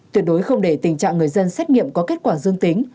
tuyệt đối không để tình trạng người dân xét nghiệm có kết quả dương tính